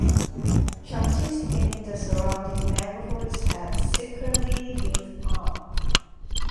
Chartists in the surrounding neighbourhoods had secretly been armed.